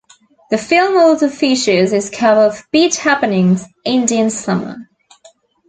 The film also features his cover of Beat Happening's "Indian Summer".